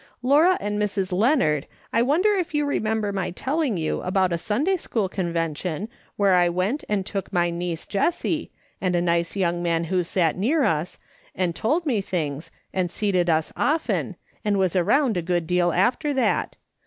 Laura and Mrs. Leonard, I wonder if you remember my telling you about a Sunday school convention where I went and took my niece Jessie, and a nice young man who sat near us, and told me things, and seated us often, and was around a good deal after that